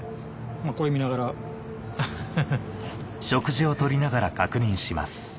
これ見ながらアハハ。